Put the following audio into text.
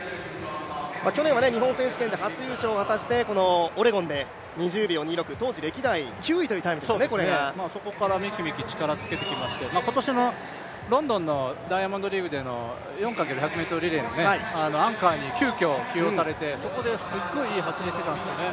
去年は日本選手権で初優勝を果たして、オレゴンで２０秒２６、そこからめきめき力をつけてきまして今年のロンドンのダイヤモンドリーグでの４×１００ｍリレーでもアンカーに急きょ起用されて、そこですごいいい走りをしていたんですよね。